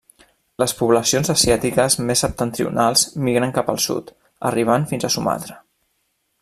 Les poblacions asiàtiques més septentrionals migren cap al sud, arribant fins a Sumatra.